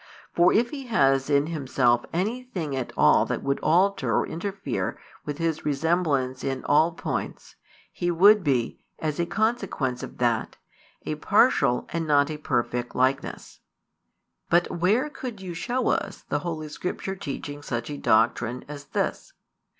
For if He has in Himself anything at all that would alter or interfere with His resemblance in all points, He would be, as a consequence of that, a partial and not a perfect Likeness. But where could you show us the Holy Scripture teaching such a doctrine as this?